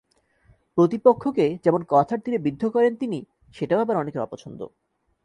প্রতিপক্ষকে যেমন কথার তিরে বিদ্ধ করেন তিনি, সেটাও আবার অনেকের অপছন্দ।